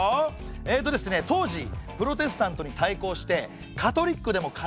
ええとですね当時プロテスタントに対抗してカトリックでも改革が始まります。